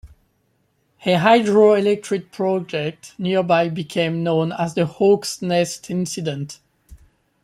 A hydro-electric project nearby became known as the Hawk's Nest Incident.